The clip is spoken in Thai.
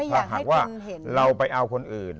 ถ้าหากว่าเราไปเอาคนอื่น